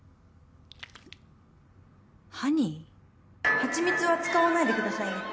はちみつは使わないでくださいね。